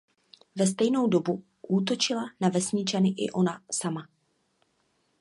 Ve stejnou dobu útočila na vesničany i ona sama.